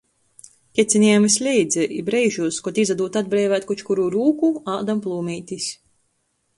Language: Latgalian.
Kecinejam vysleidza i breižūs, kod izadūd atbreivēt koč kurū rūku, ādam plūmeitis.